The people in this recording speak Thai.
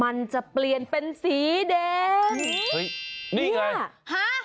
มันจะเปลี่ยนเป็นสีแดมอีนี่ไงนี่ฮะ